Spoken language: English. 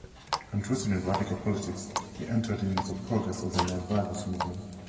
Interested in radical politics he entered in the progress of the Land Values Movement.